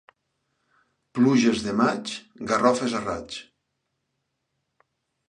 Pluges de maig, garrofes a raig.